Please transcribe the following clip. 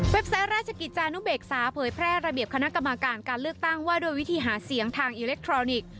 ไซต์ราชกิจจานุเบกษาเผยแพร่ระเบียบคณะกรรมการการเลือกตั้งว่าด้วยวิธีหาเสียงทางอิเล็กทรอนิกส์